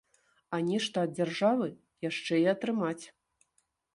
А нешта ад дзяржавы яшчэ і атрымаць.